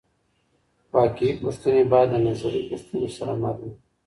واقعي پوښتنې باید له نظري پوښتنو سره مل وي.